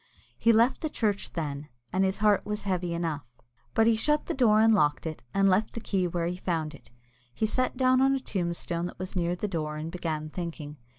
He left the church then, and his heart was heavy enough, but he shut the door and locked it, and left the key where he found it. He sat down on a tombstone that was near the door, and began thinking.